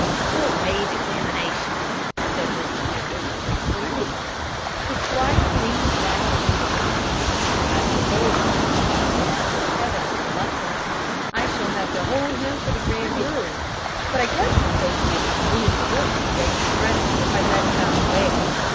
"We'll waive examination," said Mr. Edwards, briefly. The squire leaned back in his chair. "I suppose," he said, with evident reluctance, "I shall have to hold him for the grand jury. But I guess the safety of the community won't be greatly threatened if I let him out on bail.